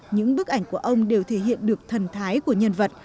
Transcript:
những bức ảnh của ông đều thể hiện được thần thái của nhân vật